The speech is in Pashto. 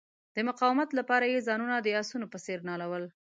د مقاومت لپاره یې ځانونه د آسونو په څیر نالول.